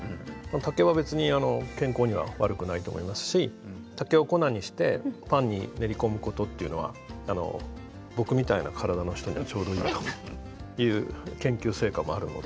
竹は別に健康には悪くないと思いますし竹を粉にしてパンに練り込むことっていうのはあの僕みたいな体の人にはちょうどいいという研究成果もあるので。